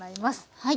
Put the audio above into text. はい。